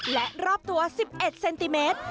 และรอบตัว๑๑เซนติเมตร